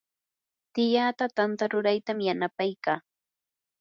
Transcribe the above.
tiyaata tanta ruraytam yanapaykaa.